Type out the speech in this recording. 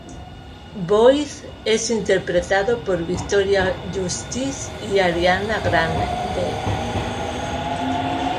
Boyz" es interpretado por Victoria Justice y Ariana Grande.